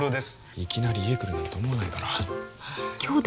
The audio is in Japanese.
いきなり家来るなんて思わないから兄弟！？